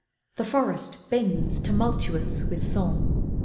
The forest bends, tumultuous With song.